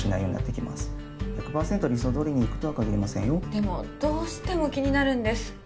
でもどうしても気になるんです。